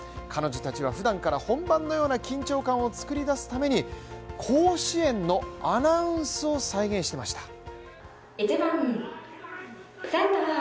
彼女たちはふだんから本番のような緊張感を作り出すために甲子園のアナウンスを再現していました。